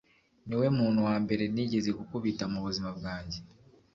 niwe muntu wambere nigeze gukubita mubuzima bwanjye